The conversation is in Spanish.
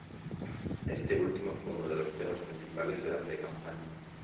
Este último fue uno de los temas principales de la precampaña.